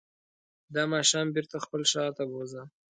دا ماشوم بېرته خپل ښار ته بوځه.